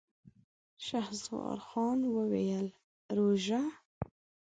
شهسوار خان وويل: روژه؟!